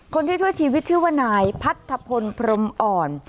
คนที่ช่วยชีวิตชื่อว่านายพัทธพลพรมอ่อน